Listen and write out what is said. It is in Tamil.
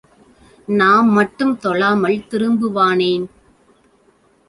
நாம் மட்டும் தொழாமல் திரும்புவானேன்?